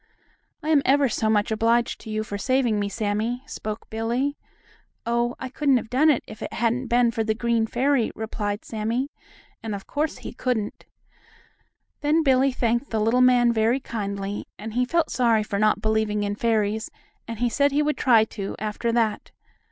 "I'm ever so much obliged to you for saving me, Sammie," spoke Billie. "Oh, I couldn't have done it if it hadn't been for the green fairy," replied Sammie, and of course he couldn't. Then Billie thanked the little man very kindly, and he felt sorry for not believing in fairies, and he said he would try to, after that.